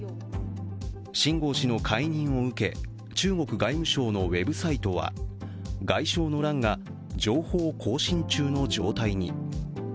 秦剛氏の解任を受け、中国外務省のウェブサイトは外相の欄が情報更新中の状態に。